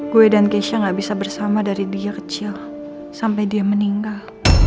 gue dan keisha gak bisa bersama dari dia kecil sampai dia meninggal